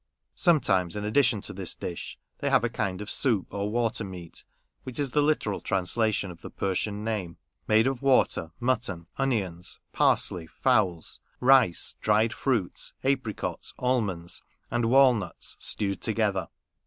Sometimes, in addition to this dish, they have a kind of soup, or ler meat" (which is the literal translation of the Persian name), made of water, mutton, onions, parsley, fowls, rice, dried fruits, apricots, almonds, and walnuts, stewed together.